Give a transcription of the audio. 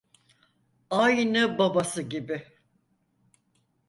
Aynı babası gibi.